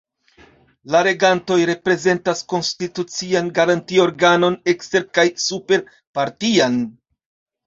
La regantoj reprezentas konstitucian garanti-organon ekster- kaj super-partian.